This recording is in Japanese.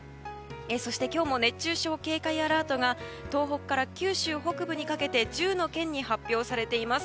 そして、今日も熱中症警戒アラートが東北から九州北部にかけて１０の県に発表されています。